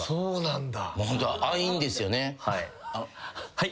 はい？